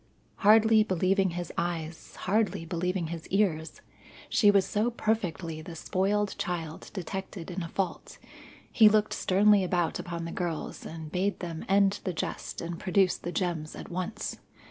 Hardly believing his eyes, hardly believing his ears, she was so perfectly the spoiled child detected in a fault he looked sternly about upon the girls and bade them end the jest and produce the gems at once.